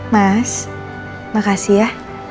mas makasih ya